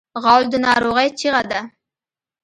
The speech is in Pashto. غول د ناروغۍ چیغه ده.